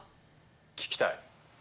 聞きたい。